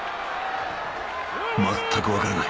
全く分からない